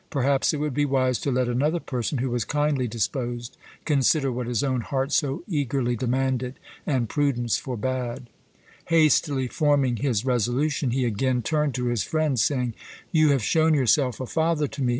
Perhaps it would be wise to let another person, who was kindly disposed, consider what his own heart so eagerly demanded and prudence forbade. Hastily forming his resolution, he again turned to his friend, saying: "You have shown yourself a father to me.